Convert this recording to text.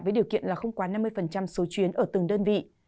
với điều kiện là không quá năm mươi số chuyến ở từng đơn vị